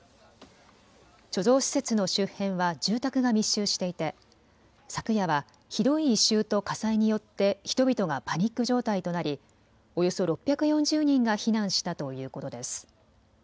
貯蔵施設の周辺は住宅が密集していて昨夜はひどい異臭と火災によって人々がパニック状態となりおよそ６４０人が避難したということです。